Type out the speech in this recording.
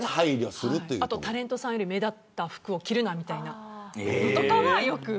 あと、タレントさんより目立った服を着るなとか、よく。